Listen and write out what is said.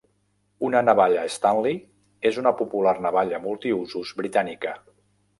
Una navalla Stanley és una popular navalla multiusos britànica